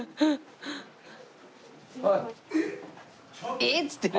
「えっ！」っつってる。